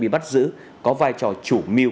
bị bắt giữ có vai trò chủ miêu